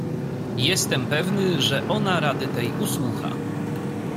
"Jestem pewny, że ona rady tej usłucha."